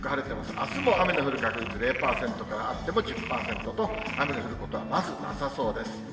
あすも雨の降る確率０％から、あっても１０％と、雨の降ることはまずなさそうです。